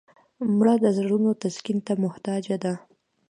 مړه د زړونو تسکین ته محتاجه ده